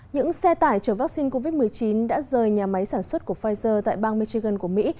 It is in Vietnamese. những xe tải chở vaccine covid một mươi chín đã rời nhà máy sản xuất của pfizer tại bang michigan của mỹ